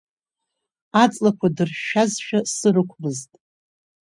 Аҵлақәа дыршәшәазшәа сы рықәмызт.